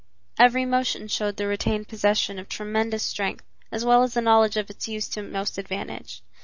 Every motion showed the retained possession of tremendous strength as well as the knowledge of its use to most advantage.